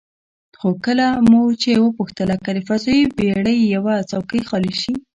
خو کله مو چې وپوښتله که د فضايي بېړۍ یوه څوکۍ خالي شي،